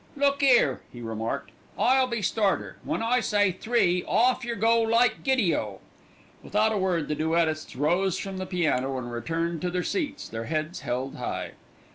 "Look 'ere," he remarked, "I'll be starter. When I say 'three,' off yer go like giddy o." Without a word the duettists rose from the piano and returned to their seats, their heads held high.